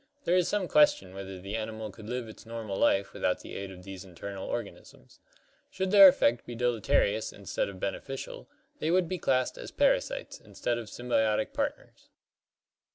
There is some question whether the animal could live its normal life without the aid of these internal organisms. Should their effect be deleterious instead of beneficial, they would be classed as parasites instead of sym biotic partners.